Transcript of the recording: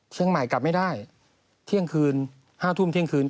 เชียงใหม่กลับไม่ได้เที่ยงคืน๕ทุ่มเที่ยงคืน